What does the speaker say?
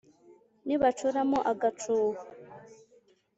nibacuramo agacuho